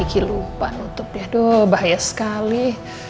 sama kiki lupa nutup aduh bahaya sekali